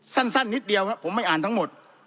สั้นนิดเดียวครับผมไม่อ่านทั้งหมด